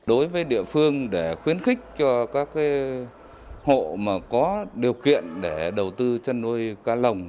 đối với địa phương để khuyến khích cho các hộ mà có điều kiện để đầu tư chân nuôi cá lồng